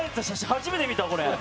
初めて見た、これ！